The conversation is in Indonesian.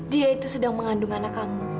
dia itu sedang mengandung anak kami